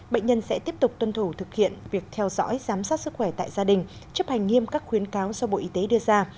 bệnh nhân sẽ tiếp tục tuân thủ thực hiện việc theo dõi giám sát sức khỏe tại gia đình chấp hành nghiêm các khuyến cáo do bộ y tế đưa ra